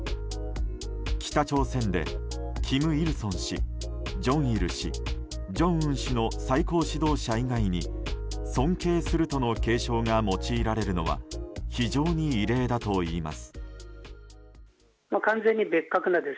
北朝鮮で金日成氏、正日氏、正恩氏の最高指導者以外に尊敬するとの敬称が用いられるのは非常に異例だといいます。